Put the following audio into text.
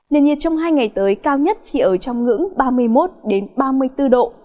nền nhiệt trong hai ngày tới cao nhất chỉ ở trong ngưỡng ba mươi một ba mươi bốn độ